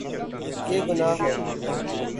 یے گناہ ہے